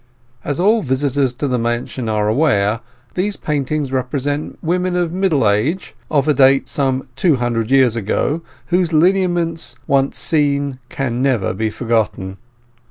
As all visitors to the mansion are aware, these paintings represent women of middle age, of a date some two hundred years ago, whose lineaments once seen can never be forgotten.